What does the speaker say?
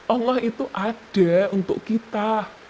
allah itu ada untuk kita